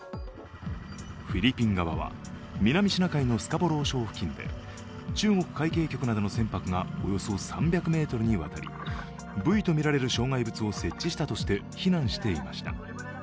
フィリピン側は南シナ海のスカボロー礁付近で、中国海警局などの船舶がおよそ３００ｍにわたりブイとみられる障害物を設置したとして非難していました。